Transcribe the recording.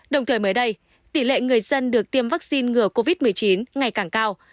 đồng thời mới đây tỷ lệ người dân được tiêm vaccine ngừa covid một mươi chín ngày càng cao